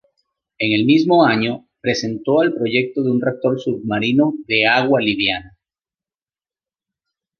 En el mismo año, presentó el proyecto de un reactor submarino de a"gua liviana".